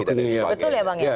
betul ya bang ya